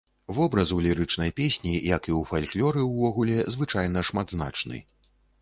Вобраз у лірычнай песні, як і ў фальклоры ўвогуле, звычайна шматзначны.